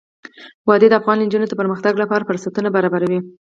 وادي د افغان نجونو د پرمختګ لپاره فرصتونه برابروي.